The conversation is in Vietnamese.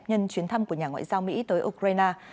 nhân chuyến thăm của nhà ngoại giao mỹ tới ukraine